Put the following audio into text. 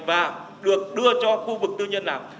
và được đưa cho khu vực tư nhân làm